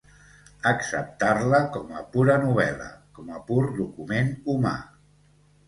acceptar-la com a pura novel·la, com a pur document humà